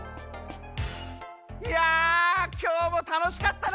いやきょうもたのしかったな！